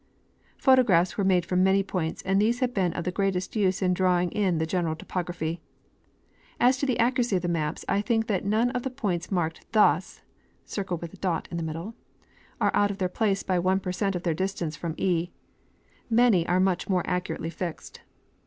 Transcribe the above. Photographs were made from many points, and these have been of the greatest use in drawing in the general topography. As to the accuracy of the maps I think that none of the points marked thus O are out of their place by 1% of their distance from E ; many are much more accurately fixed.